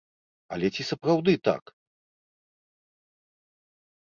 Але ці сапраўды так?